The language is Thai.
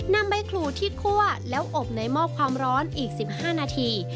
นำใบขู่ที่คั่วแล้วอบในหม้อความร้อนอีก๑๕นาที